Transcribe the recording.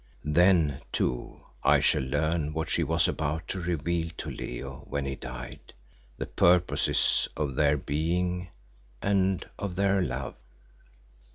Then, too, I shall learn what she was about to reveal to Leo when he died, the purposes of their being and of their love.